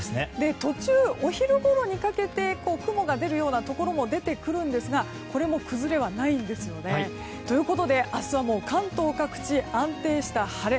途中、お昼ごろにかけて雲が出るところも出てくるんですがこれも崩れはないんですよね。ということで明日は関東各地安定した晴れ。